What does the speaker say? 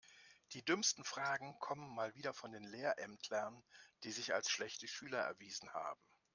Die dümmsten Fragen kommen mal wieder von den Lehrämtlern, die sich als schlechte Schüler erwiesen haben.